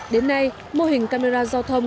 đến nay mô hình camera giao thông